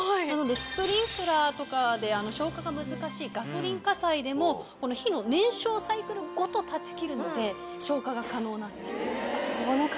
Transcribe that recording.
なのでスプリンクラーとかで消火が難しいガソリン火災でも火の燃焼サイクルごと断ち切るので消火が可能なんです。